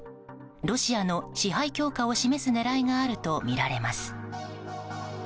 ロシアの支配強化を示す狙いがあるとみられます。